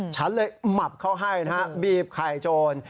ฉันเลยหมับเขาให้นะฮะบีบไข่โจร